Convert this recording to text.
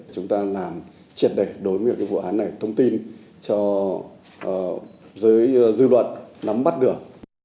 chúng ta làm triệt đề đối với vụ án này thông tin cho dư luận nắm bắt đường